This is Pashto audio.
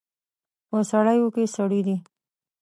په سړیو کې سړي دي